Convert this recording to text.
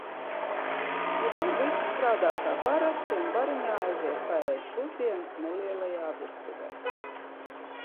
Tur visi strādā kā parasti un bariņā aiziet paēst pusdienas nelielajā virtuvē.